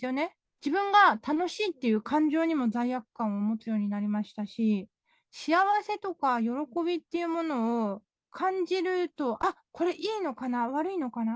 自分が楽しいっていう感情にも罪悪感を持つようになりましたし、幸せとか喜びというものを感じると、あっ、これいいのかな？悪いのかな？